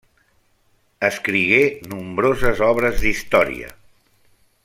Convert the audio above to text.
Escrigué nombroses obres d'història.